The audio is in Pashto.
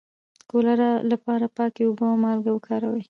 د کولرا لپاره پاکې اوبه او مالګه وکاروئ